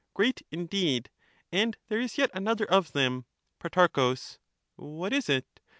Great, indeed ; and there is yet another of them. Pro. What is it